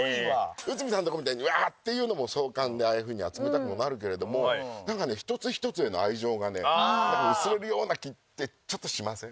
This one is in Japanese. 内海さんのとこみたいにワーッていうのも壮観でああいうふうに集めたくもなるけれどもなんかね一つ一つへの愛情がね薄れるような気ってちょっとしません？